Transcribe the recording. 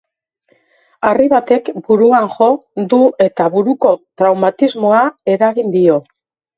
Harri batek buruan jo du eta buruko traumatismoa eragin dio.